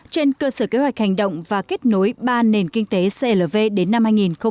trên cơ sở kế hoạch hành động và kết nối ba nền kinh tế clv đến năm hai nghìn hai mươi